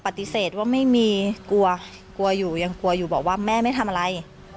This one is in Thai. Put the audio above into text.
ปฏิเสธว่าไม่มีกลัวกลัวอยู่ยังกลัวอยู่บอกว่าแม่ไม่ทำอะไร